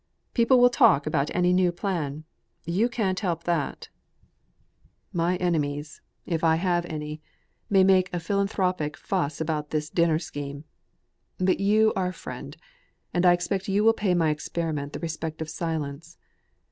"People will talk about any new plan. You can't help that." "My enemies, if I have any, may make a philanthropic fuss about this dinner scheme; but you are a friend, and I expect that you will now pay my experiment the respect of silence.